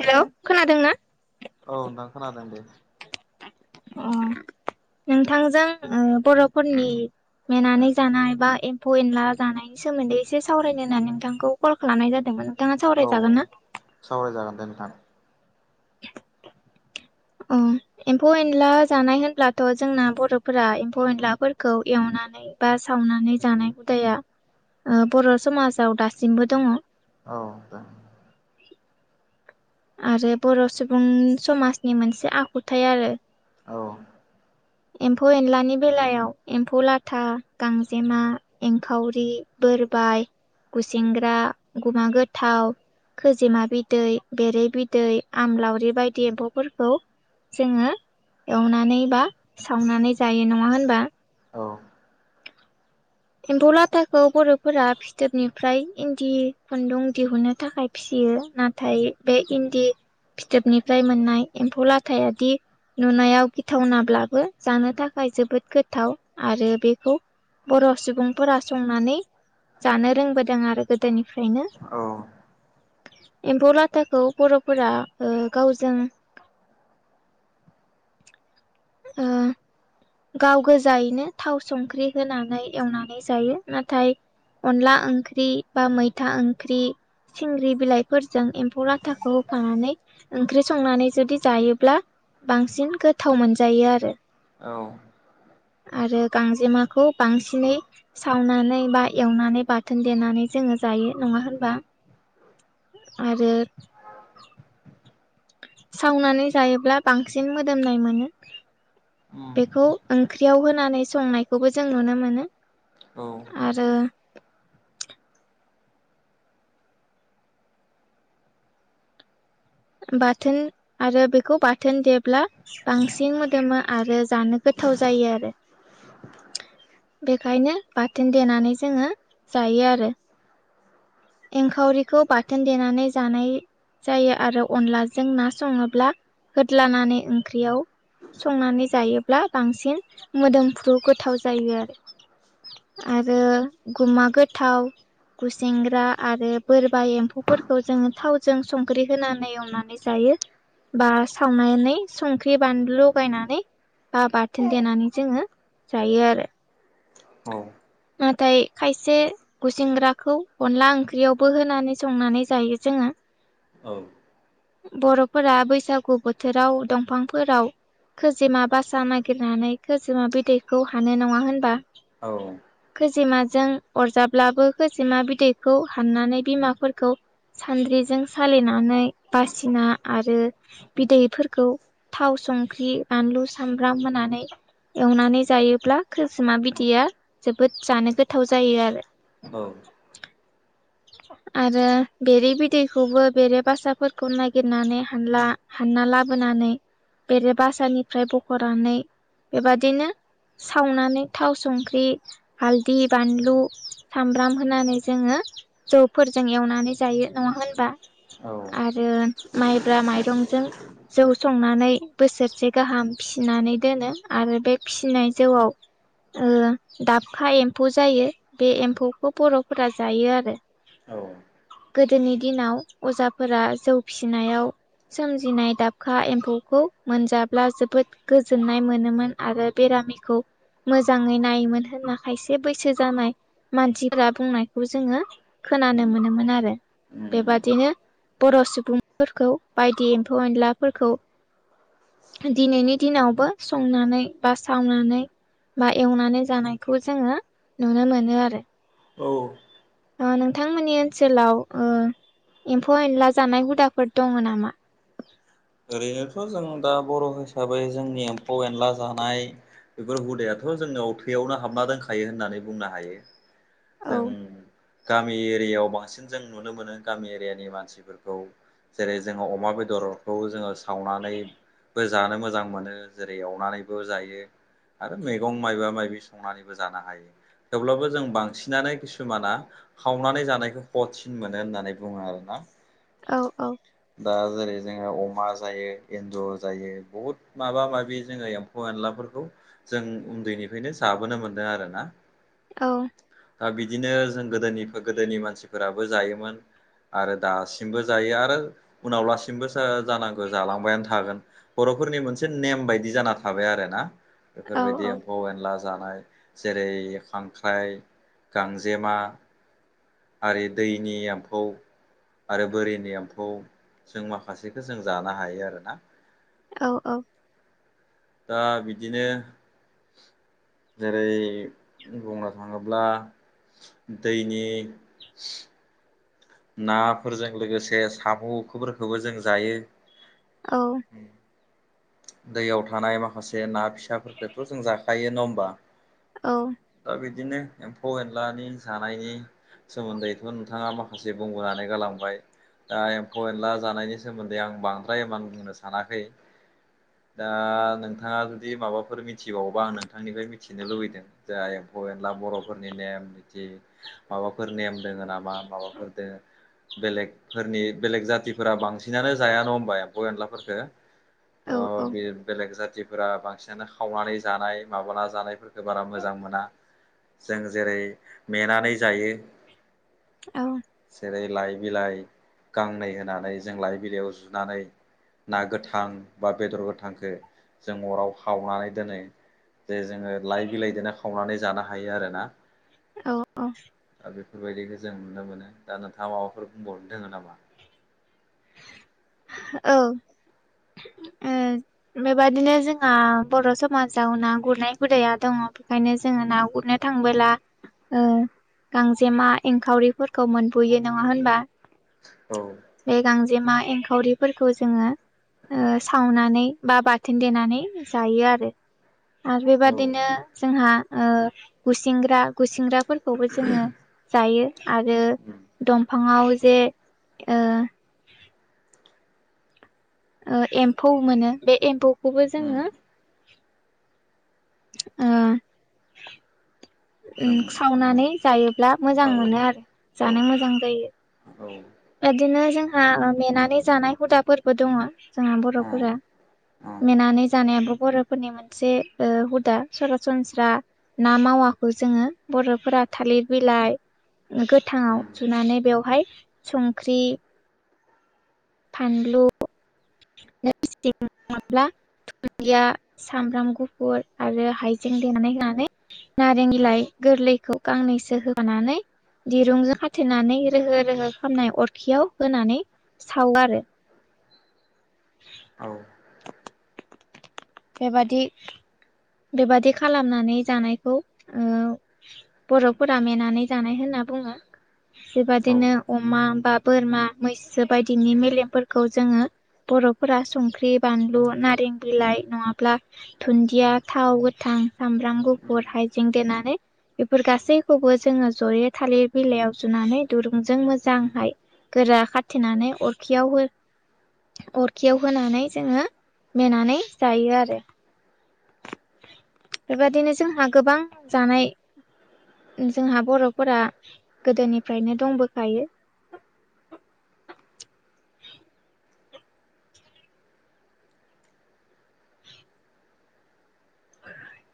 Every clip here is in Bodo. हेल' खोनादोंना? औ नोंथां खोनादों दे। ओम नोंथांजों ओ बर'फोरनि मेनानै जानाय बा एम्फौ एनला जानाय बेनि सोमोन्दै एसे सावरायनो होननानै नोंथांखौ कल खालामनाय जादोंमोनां औ सावरायजागोन दे नोंथां। नयस अ एम्फौ एनला जानाय होनब्लाथ' जोंना बर'फोरा एम्फौ एनलाफोरखौ एवनानै बा सावनानै जानाय हुदाया ओ बर' समाजाव दासिमबो दङ औ दे। आरो बर' सुबुं समाजनि मोनसे आखुथायाइ आरो। औ एम्फौ एनलानि बेलायाव एम्फौ लाथा गांजेमा एंखावरि बोरबाय गुसेंग्रा गुमा गोथाव खोजिमा बिदै बेरै बिदै आमलावरि बायदि एम्फौफोरखौ जोङो एवनानै बा सावनानै जायो नङा होनबा औ एम्फौ लाथाखौ बर'फोरा फिदोरनि फ्राय इन्दि खुन्दुं दिहुनो थाखाय फियो नाथाय बे इन्दि फिथोबनिफ्राय मोननाय एम्फौ लाथायादि नुनायाव गिथावनाब्लाबो जानो थाखाय जोबोद गोथाव आरो बेखौ बर' सुबुंफोरा संनानै जानो रोंबोदों आरो गोदोनि नो एम्फौ लाथाखौ बर'फोरा गावजों ओ। गाव गोजायैनो थाव संख्रि होनानै एवनानै जायो नाथाय अनला ओंख्रि बा मैथा ओंख्रि सिंग्रि बिलाइ फोरजों एम्फौ लाथाखौ होफानानै ओंख्रि संनानै जुदि जायोब्ला बांसिन गोथाव मोनजायो आरो। औ। आरो गांजेमाखौ बांसिनै सावनानै बा एवनानै बा बाथोन देनानै जोङो जायो नङा होनबा आरो सावनानै जायोब्ला बांसिन मोदोमनाय मोनो। उम बेखौ ओंख्रियाव होनानै संनायखौबो जों नुनो मोनो। औ आरो बाथोन आरो बेखौ बाथोन देब्ला बांसिन मोदोमो आरो जानो गोथाव जायो आरो। बेखायनो बाथोन देनानै जोङो जायो आरो। एंखावरिखौ बाथोन देनानै जानाय जायो आरो अनलाजों ना सङोब्ला होद्लानानै ओंख्रियाव संनानै जायोब्ला बांसिन मोदोम गोथाव जायो आरो गमा गो गोथाव गुसेंग्रा आरो बोरबा एम्ौ फोरफोरखौ जोङो थावजों संख्रि होनानै एवनानै जायो बा सावनानै संख्रि बानलु लगायनानै बा बाथोन देनानै जोङो जायो आरो औ नाथाय खायसे गुसेंग्राखौ अनला ओंख्रियावबो होनानै संनानै जायो जोङो औ बर'फोरा बैसागु बोथोराव दंफांफोराव खोजिमा बासा नागिरनानै खोजिमा बिदैखौ हानो नङा होनबा औ खैजिमाजों अरजाब्लाबो खजिमा बिदैखौ हाननानै बिमाफोरखौ सान्द्रिजों सालिनानै बासिना आरो बिदैफोरखौ थाव संख्रि बानलु सामब्राम होनानै एवनानै जायोब्ला खोसोमा बिदैया जोबोद जानो गोथाव जायो आरो औ आरो बेरे बिदैखौबो बेरे बासाफोरखौ नागिरनानै हानला हानना लाबोनानै बेरे बासानिफ्राय बख'नानै बेबादिनो सावनानै थाव संख्रि हालदै बानलु सामब्राम होनानै जोङो जौफोरजों एवनानै जायो नङा होनबा औ आरो माइब्रा माइरंजों जौ संनानै बोसोरसे गाहाम फिसिनानै दोनो आरो बे फिसिनाय जौआव दाबखा एम्फौ जायो बे एम्फौखौ बर'फोरा जायो आरो औ गोदोनि दिनाव अजाफोरा जौ फिसिनायाव सोमजिनाय दाबखा एम्फौखौ मोनजाब्ला जोबोद गोजोननाय मोनोमोन आरो बेरामिखौ मोजाङै नायोमोन होनना खायसे बैसो जानाय मानसिफोरा बुंनायखौ जोङो खोनानो उम मोनोमोन आरो उम उम बेबादिनो बर' सुबुंफोरखौ बायदि एम्फौ एनलाफोरखौ दिनैनि दिनावबो संनानै बा सावनानै बा एवनानै जानायखौ जोङो नुनो मोनो आरो औ नोंथांमोननि ओनसोलाव एम्फौ एनला जानाय हुदाफोर दङ नामा ओरैनोथ' जों दा बर' हिसाबै जोंनि एम्फौ एनला जानाय बेफोर हुदायाथ' जोंनाव थैयावनो हाबना दोनखायो होननानै बुंनो हायो औ जों गामि एरियायाव बांसिन जों नुनो मोनो गामि एरियानि मानसिफोरखौ जेरै जोङो अमा बेदरखौ जोङो सावनानै बो जानो मोजां मोनो जेरै एवनानैबो जायो आरो मैगं माइबा मायबि संनानैबो जानो हायो थेवब्लाबो जों बांसिनानो किसुमाना हावनानै जानायखौ हथसिन मोनो होननानै बुङो आरोना औ औ दा जेरै जोङो अमा जायो एन्जर जायो बहुद माबा माबि जोङो एम्फौ एनलाफोरखौ जों उन्दैनिफ्रायनो जाबोनो मोनदों आरो ना औ दा बिदिनो जों गोदोनि गोदोनि मानसिफोराबो जायोमोन आरो दासिमबो जायो आरो उनाव लासिमबो जानांगौ जालांबायानो थागोन बर'फोरनि मोनसे नेम बायदि जाना थाबाय आरो ना औ बेफोरबायदि औ एम्फौ एनला जानाय जेरै खांख्राइ गांजेमा आरो दैनि एम्फौ आरो बोरिनि एम्फौ जों माखासेखौ जों जानो हायो आरोना औ औ दा बिदिनो जेरै बुंनो थाङोब्ला दैनि नाफोरजों लोगोसे साम'फोरखौबो जों जायो औ दैयाव थानाय माखासे ना फिसाफोरखौथ' जों जाखायो नङा होमबा औ दा बिदिनो एम्फौ एनलानि जानायनि सोमोन्दैथ' नोंथाङा मा बुंनानै गालांबाय दा एम्फौ एनला जानायनि सोमोन्दै आं बांद्राय इमान बुंनो सानाखै दा नोंथाङा जुदि माबाफोर मिथिबावोबा आं नोंथांनिफ्राय मिथिनो लुबैदों जाय एमफौ एनला बर'फोरनि नेम निथि माबाफोर नेम दोङ नामा माबाफोर दोङो बेलेगफोरनि बेलेग जाथिफोरा बांसिनानो जाया न' होनबबाय एम्फौ एनलाफोरफोरखौ थ बे औ बेलेग जाथिफोरा बांसिनानो खावनानै जानाय माबाना जानाय बारा मोजां मोना जों जेरै नेेनानै जायो औ जेरै लाइ बिलाइ गांनै होनानै जों लाइ बिलाइयाव जुनानै ना गोथां बा बेदर गोथांखौ जों अराव हावनानै दोनो जे जोङो लाइ बिलाइजोंनो खावनानै जानो हायो आरोना औ दा बेफोरबायदिखौ जों नुनो मोनो दा नोंथाङा माबाफोर बुंबावनो दोङो नामा? औ ओ बेबायदिनो जोंहा बर' समाजाव ना गुरनाय हुदाया दङ बेखायनो जोङो ना गुरनाय थांबोला गांजेमा एंखावरिफोरखौ मोनबोयो नङा होनबा? औ बे गांजेमा एंखावरि फोरखौ जोङो ओ सावनानै बा बाथोन देनानै जायो आरो आरो औ बेबादिनो जोंहा ओ गुसिंग्रा गुसिंग्रा फोरखौबो जोङो जायो आरो उम दंफाङाव जे ओ ओ एम्फौ मोनो बे एम्फौखौबो उम जोङो ओ ओ जों उम सावनानै जायोब्ला मोजां औ मोनो आरो जानो मोजां जायो औ बिदिनो जोंहा मेनानै जानाय हुदाफोरबो दङ जोंहा उम बर'फोरा उम मेनानै जानायाबो बर' फोरनि मोनसे हुदा सरासनस्रा ना मावा खौ जोङो बर'फोरा थालिर बिलाइ गोथाङाव उम जुनानै बेवहाय संख्रि फान्लु [unintelligible] दुन्दिया सामब्राम गुफुर आरो हाइजें देनानै होनानै नारें बिलाइ गोरलैखौ गांनैसो होनानै दिरुंजों खाथेनानै रोहो रोहो खालामनाय अरखियाव होनानै सावो आरो औ बेबादि बेबादि खालामनानै जानायखौ ओ बर'फोरा मेनानै जानाय होनना बुङो औ बेबादिनो अमा बा बोरमा मैसो बायदिनि मेलेमफोरखौ जोङो बर'फोरा संख्रि बानलु नारें बिलाइ नङाब्ला दुन्दिया थाव गोथां सामब्राम उम गुफुर हाइजें देनानै बेफोर गासैखौबो जोङो जयै थालिर बिलाइयाव जुनानै दुरुंजों मोजांहाय गोरा खाथिनानै अरखियाव हो अरखियाव होनानै जोङो मेनानै जायो आरो बेबादिनो जोंहा गोबां जानाय जोंहा बर'फोरा गोदोनिफ्रायनो दंबोखायो [inaudible] [inaudible]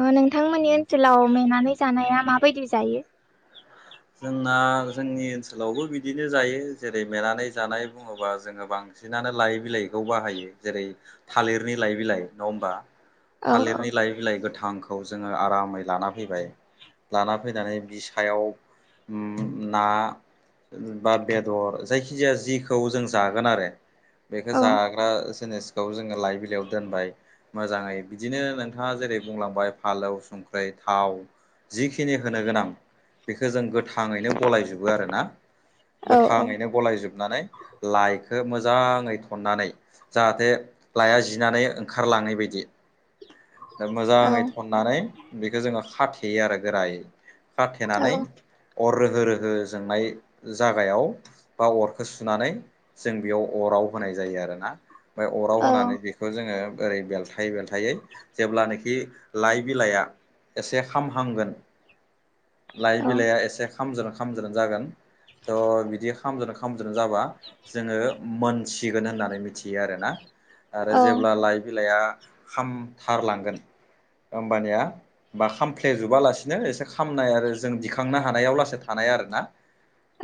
अ नोंथांमोननि ओनसोलाव मेनानै जानाया माबायदि जायो? [inaudible] जोंना जोंनि ओनसोलावबो बिदिनो जायो जेरै मेनानै जानाय बुङोबा जोङो बां बांसिनानो लाइ बिलाइखौ बाहायो जेरै थालिरनि लाइ बिलाइ नङा होमबा? औ औ थालिरनि लाइ बिलाइ गोथांखौ जोङो आरामै लाना फैबाय लाना फैनानै [unintelligible] सायाव ना बा बेदर जायखिजाया जिखौ जों जागोन आरो। बेखौ औ जाग्रा जिनिसखौ जोङो लाइबिलाइयाव दोनबाय मोजाङै बिदिनो नोंथाङा जेरै बुंलांबाय फालौ, संख्रि, थाव जिखिनि होनो गोनां। बेखौ जों गोथाङैनो गलायजोबो आरोना औ गोथाङैनो गलायजोबनानै लाइखौ मोजाङै थन्नानै जाहाथे लइया जिनानै ओंखारलाङै बायदि दा औ मोजाङै थन्नानै बेखौ जोङो खाथेयो आरो गोरायै। थेनानै औ अर रोहो रोहो जोंनाय जागायाव बा अरखौ सुनानै जों बेयाव अराव होनाय जायो आरोना। ओमफ्राय अराव औ होनानै बेखौ जोङो ओरै बेलथायै बेलथायै जेब्लानाखि लाइ बिलाइया एसे खामहांगोन लाइ औ बिलाइआ एसे खामज्रोन खामज्रोन जागोन थ' बिदि खामज्रोन-खामज्रोन जाबा जोङो मोनसिगोन होननानै मिथियो आरोना आरो जेब्ला औ लाइ बिलाइआ खामथारलांगोन होमबानिया बा खामफ्लेजोबालासिनो एसे [unintelligible] [unintelligible] जों दिखांनो हानायाव लासै थानाय आरोना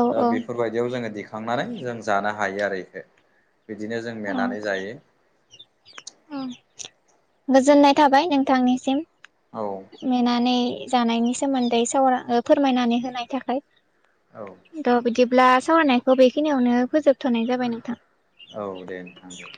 औ औ बेफोरबाय बिदियाव जोङो दिखांनानै जों जानो हायो आरो बेखौ। बिदिनो जों औ मेनानै जायो। गोजोननाय थाबाय नोंथांनिसिम। औ। मेनानै जानायनि सोमोन्दै साव- फोरमायनानै होनायनि थाखाय। औ। थ' बिदिब्ला सावरायनायखौ बेखिनियावनो फोजोबथ'नाय जाबाय नोंथां। औ दे नोंथां दे।